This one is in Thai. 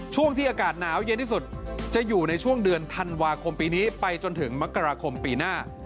ช่วงที่อากาศหนาวเย็นที่สุดจะอยู่ในช่วงเดือนธันวาคมปีนี้ไปจนถึงมกราคมปีหน้า